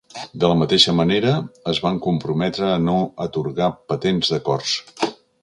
De la mateixa manera, es van comprometre a no atorgar patents de cors.